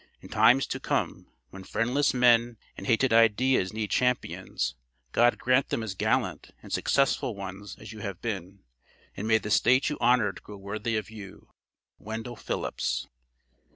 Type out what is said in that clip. In times to come, when friendless men and hated ideas need champions, God grant them as gallant and successful ones as you have been, and may the State you honored grow worthy of you. WENDELL PHILLIPS."